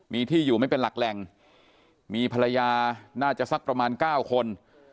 มีที่อยู่ไม่เป็นหลักแหล่งมีภรรยาน่าจะสักประมาณ๙คน